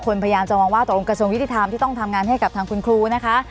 พยายามจะมองว่าตกลงกระทรวงยุติธรรมที่ต้องทำงานให้กับทางคุณครูนะคะ